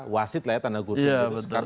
penyelenggara wasit lah ya